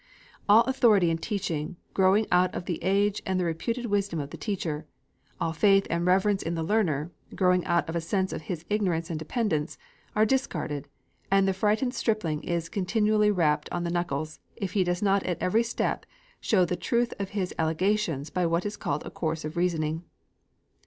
All authority in teaching, growing out of the age and the reputed wisdom of the teacher, all faith and reverence in the learner, growing out of a sense of his ignorance and dependence, are discarded, and the frightened stripling is continually rapped on the knuckles, if he does not at every step show the truth of his allegations by what is called a course of reasoning.